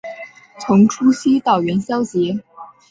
从除夕到元宵节